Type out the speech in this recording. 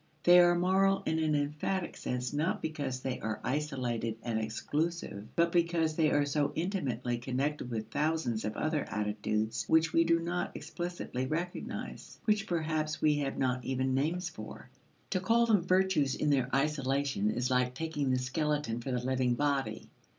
They are moral in an emphatic sense not because they are isolated and exclusive, but because they are so intimately connected with thousands of other attitudes which we do not explicitly recognize which perhaps we have not even names for. To call them virtues in their isolation is like taking the skeleton for the living body.